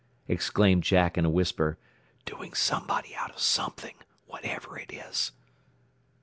exclaimed Jack in a whisper. "Doing somebody out of something, whatever it is."